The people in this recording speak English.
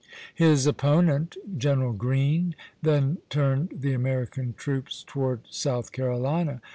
His opponent, General Greene, then turned the American troops toward South Carolina.